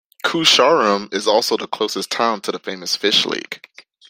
Koosharem is also the closest town to the famous Fish Lake.